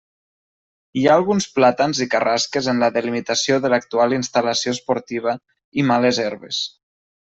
Hi ha alguns plàtans i carrasques en la delimitació de l'actual instal·lació esportiva, i males herbes.